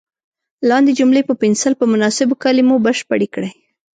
لاندې جملې په پنسل په مناسبو کلمو بشپړې کړئ.